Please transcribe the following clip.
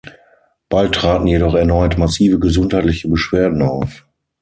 Bald traten jedoch erneut massive gesundheitliche Beschwerden auf.